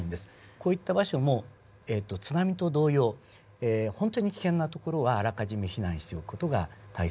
こういった場所も津波と同様本当に危険な所はあらかじめ避難しておく事が大切だと思います。